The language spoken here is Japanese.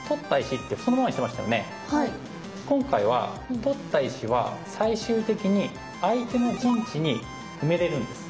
今回は取った石は最終的に相手の陣地に埋めれるんです。